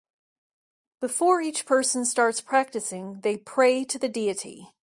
Before each person starts practicing, they pray to the deity.